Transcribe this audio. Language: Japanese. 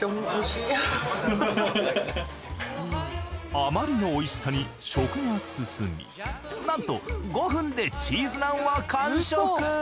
あまりの美味しさに食が進みなんと５分でチーズナンは完食。